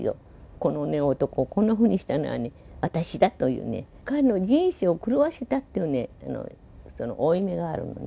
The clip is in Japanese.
この男をこんなふうにしたのはね、私だというね、彼の人生を狂わせたっていうその負い目があるんでね。